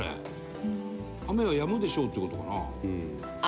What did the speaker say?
雨はやむでしょうっていう事かな？